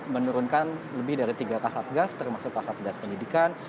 menurunkan lebih dari tiga kasab gas termasuk kasab gas penyelidikan